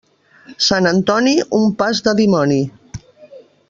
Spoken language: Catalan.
Sant Antoni, un pas de dimoni.